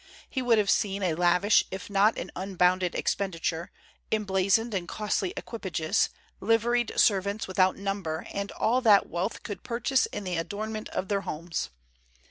He would have seen a lavish if not an unbounded expenditure, emblazoned and costly equipages, liveried servants without number, and all that wealth could purchase in the adornment of their homes.